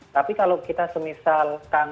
tapi kalau kita semisal kangen masak masing